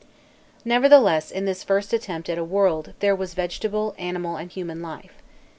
Nevertheless in this first attempt at a world there was vegetable, animal, and human life.